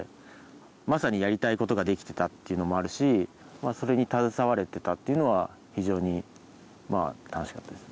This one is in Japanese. まさにやりたいことができてたっていうのもあるしそれに携われてたっていうのは非常に楽しかったですね。